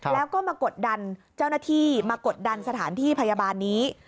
แล้วก็มากดดันเจ้าหน้าที่มากดดันสถานที่พยาบาลนี้